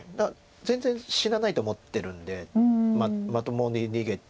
全然死なないと思ってるんでまともに逃げて。